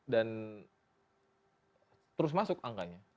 dan terus masuk angkanya